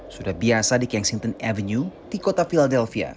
sudah biasa di kensington avenue di kota philadelphia